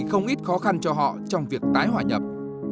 vậy không ít khó khăn cho họ trong việc tái hỏa nhập